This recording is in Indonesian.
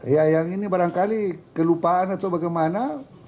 ya yang ini barangkali kelupaan atau bagaimana